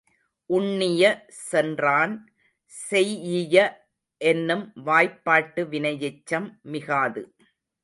உண்ணிய சென்றான் செய்யிய என்னும் வாய்பாட்டு வினையெச்சம், மிகாது.